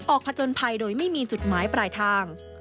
ผจญภัยโดยไม่มีจุดหมายปลายทาง